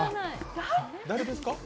誰ですか？